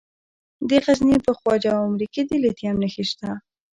د غزني په خواجه عمري کې د لیتیم نښې شته.